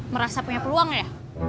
merasa punya peluang ya